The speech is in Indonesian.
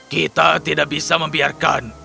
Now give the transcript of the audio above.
kita tidak bisa membiarkan